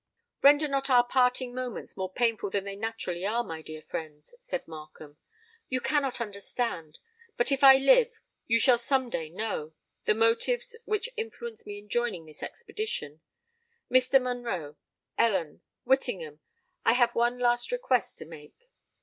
"Render not our parting moments more painful than they naturally are, my dear friends," said Markham. "You cannot understand—but, if I live, you shall some day know—the motives which influence me in joining this expedition. Mr. Monroe—Ellen—Whittingham, I have one last request to make.